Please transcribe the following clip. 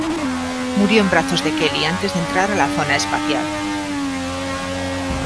Murió en brazos de Kelly antes de entrar a la Zona Especial.